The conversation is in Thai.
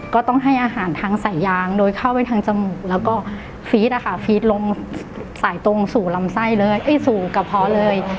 ก็ต้องให้อาหารทางสายยางโดยเข้าไปทางจมูกแล้วก็ฟีดนะคะฟีดลงสายตรงสู่ลำไส้เลยสู่กระเพาะเลย